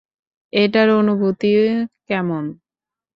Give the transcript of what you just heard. এটার অনুভূতি কেমন?